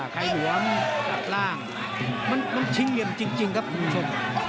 ใครหวมล่างไปล่างมันมันชิงเยี่ยมจริงจริงครับคุณผู้ชม